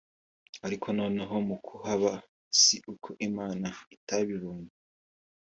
ariko noneho mu kuhaba si uko Imana itabibonye